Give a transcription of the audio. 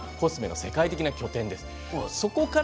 いうならばコスメの世界的な拠点です。